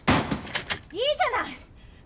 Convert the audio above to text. いいじゃない！